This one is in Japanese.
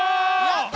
やった！